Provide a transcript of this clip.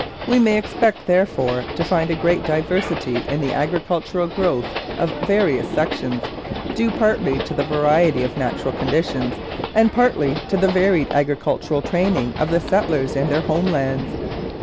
We may expect, therefore, to find a great diversity in the agricultural growth of various sections, due partly to the variety of natural conditions and partly to the varied agricultural training of the settlers in their homelands.